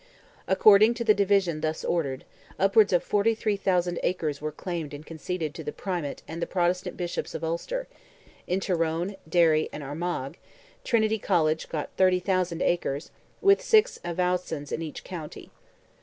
According to the division thus ordered, upwards of 43,000 acres were claimed and conceded to the Primate and the Protestant Bishops of Ulster; in Tyrone, Derry, and Armagh, Trinity College got 30,000 acres, with six advowsons in each county.